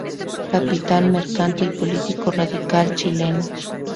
Capitán mercante y político radical chileno.